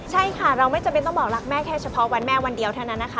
ใช่ค่ะเราไม่จำเป็นต้องบอกรักแม่แค่เฉพาะวันแม่วันเดียวเท่านั้นนะคะ